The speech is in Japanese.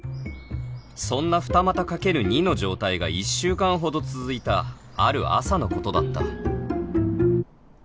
そんな二股 ×２ の状態が１週間ほど続いたある朝のことだった